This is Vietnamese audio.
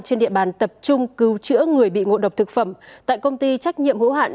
trên địa bàn tập trung cứu chữa người bị ngộ độc thực phẩm tại công ty trách nhiệm hữu hạn